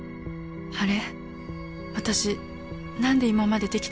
あれ？